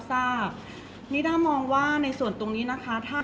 เพราะว่าสิ่งเหล่านี้มันเป็นสิ่งที่ไม่มีพยาน